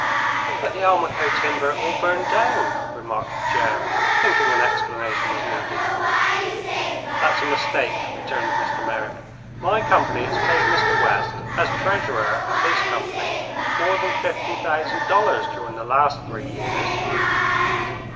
"But the Almaquo timber all burned down." remarked Joe, thinking an explanation was needed. "That's a mistake," returned Mr. Merrick. "My company has paid Mr. West, as treasurer of his company, more than fifty thousand dollars during the last three years."